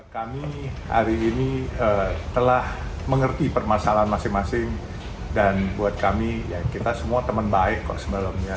kami hari ini telah mengerti permasalahan masing masing dan buat kami ya kita semua teman baik kok sebelumnya